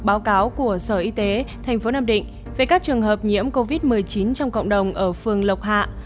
báo cáo của sở y tế thành phố nam định về các trường hợp nhiễm covid một mươi chín trong cộng đồng ở phường lộc hạ